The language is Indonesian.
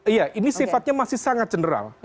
iya ini sifatnya masih sangat general